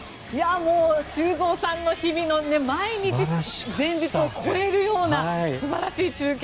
修造さんの日々の前日を超えるような素晴らしい中継